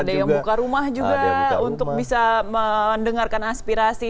ada yang buka rumah juga untuk bisa mendengarkan aspirasi